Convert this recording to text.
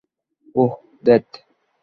ওহ, ধ্যাত!